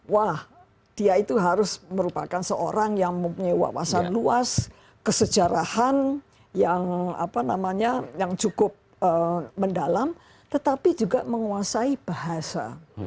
wah dia itu harus merupakan seorang yang mempunyai wawasan luas kesejarahan yang cukup mendalam tetapi juga menguasai bahasa